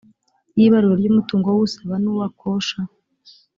y ibarura ry umutungo w usaba n uwa kosha